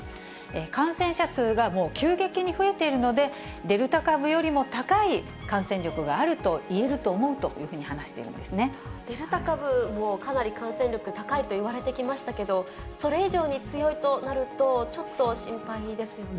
感染者数がもう急激に増えているので、デルタ株よりも高い感染力があると言えると思うというふうに話しデルタ株もかなり感染力高いといわれてきましたけれども、それ以上に強いとなると、ちょっと心配ですよね。